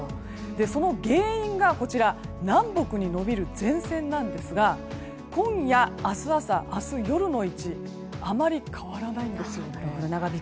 その原因が南北に延びる前線なんですが今夜、明日朝、明日夜の位置あまり変わらないんです。